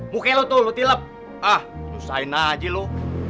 muka lu tuh lu tilep ah susahin aja lu